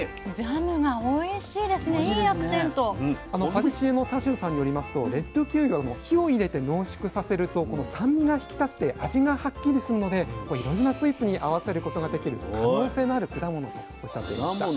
パティシエの田代さんによりますとレッドキウイは火を入れて濃縮させるとこの酸味が引き立って味がはっきりするのでいろんなスイーツに合わせることができる可能性のある果物とおっしゃっていました。